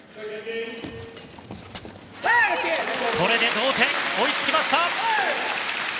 これで同点追いつきました！